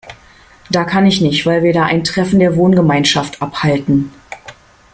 Da kann ich nicht, weil wir da ein Treffen der Wohngemeinschaft abhalten.